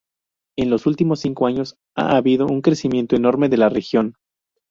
En los últimos cinco años ha habido un crecimiento enorme de la región.